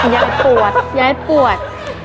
ยายปวดยายปวด